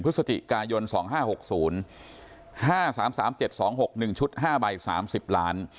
พฤษจิกายนสองห้าหกศูนย์ห้าสามสามเจ็ดสองหกหนึ่งชุดห้าใบสามสิบล้าน